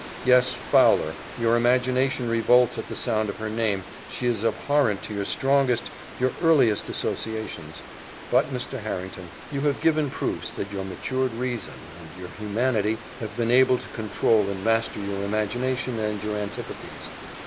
"Yes, Fowler your imagination revolts at the sound of her name she is abhorrent to your strongest, your earliest, associations; but, Mr. Harrington, you have given proofs that your matured reason and your humanity have been able to control and master your imagination and your antipathies.